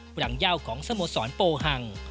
หลังยาวของสโมสรโปหัง